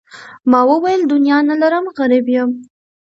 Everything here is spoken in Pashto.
ما وویل دنیا نه لرم غریب یم.